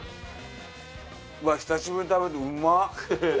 うわっ久しぶりに食べるとうまっ！